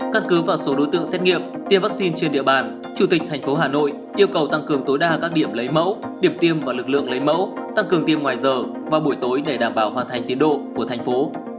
căn cứ vào số đối tượng xét nghiệm tiêm vaccine trên địa bàn chủ tịch thành phố hà nội yêu cầu tăng cường tối đa các điểm lấy mẫu điệp tiêm và lực lượng lấy mẫu tăng cường tiêm ngoài giờ vào buổi tối để đảm bảo hoàn thành tiến độ của thành phố